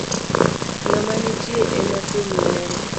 Ngama nitie ema thum wero